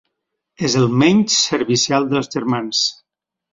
És el menys servicial dels germans.